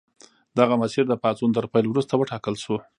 دغه مسیر د پاڅون تر پیل وروسته وټاکل شو.